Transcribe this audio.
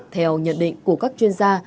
theo nhận định của các chuyên gia